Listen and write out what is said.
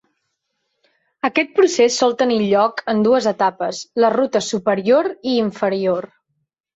Aquest procés sol tenir lloc en dues etapes, les rutes superior i inferior.